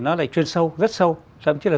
nó lại chuyên sâu rất sâu thậm chí là